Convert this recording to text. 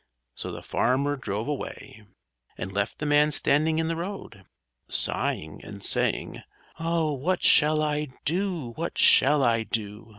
So the farmer drove away and left the man standing in the road, sighing and saying: "_What shall I do? What shall I do?